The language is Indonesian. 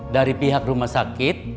dari pihak rumah sakit